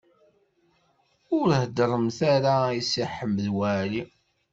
Ur heddṛemt ara i Si Ḥmed Waɛli.